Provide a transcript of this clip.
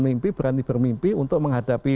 mimpi berani bermimpi untuk menghadapi